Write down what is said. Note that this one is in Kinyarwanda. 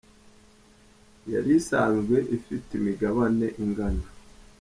yari isanzwe ifite imigabane ingana.